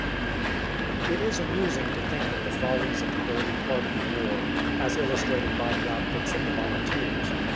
It is amusing to think of the follies of the early part of the war, as illustrated by the outfits of the volunteers.